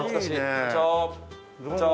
こんにちは。